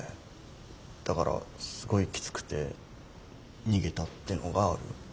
だからすごいきつくて逃げたってのがある。